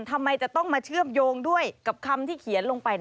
ทำไมจะต้องมาเชื่อมโยงด้วยกับคำที่เขียนลงไป